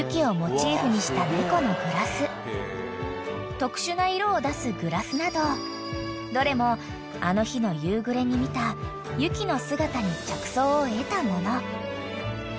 ［特殊な色を出すグラスなどどれもあの日の夕暮れに見た雪の姿に着想を得たもの］